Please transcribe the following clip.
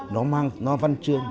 nó mang nó văn chương